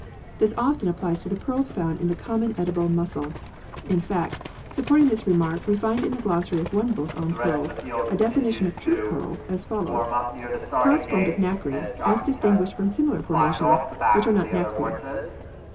This often applies to the pearls found in the common edible mussel. In fact, supporting this remark, we find in the glossary of one book on pearls a definition of true pearls as follows :" Pearls formed of nacre as distinguished from similar formations which are not nacreous."